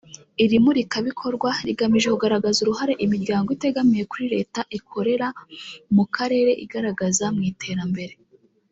Iri murikabikorwa rigamije kugaragaza uruhare imiryango itegamiye kuri Leta ikorera mu karere igaragaza mu iterambere